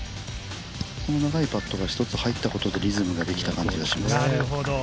この長いパットが入ったことで１つリズムができたと思います